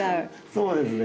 そうですね。